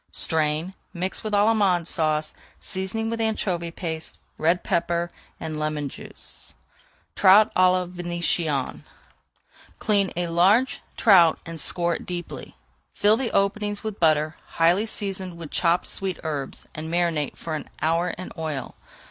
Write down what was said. Strain, mix with Allemande Sauce, seasoning with anchovy paste, red pepper, and lemon juice. TROUT À LA VÉNITIENNE Clean a large trout and score it deeply. Fill the openings with butter highly seasoned with chopped sweet herbs, and marinate for an hour in oil.